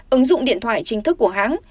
ứng dụng điện thoại chính thức của hãng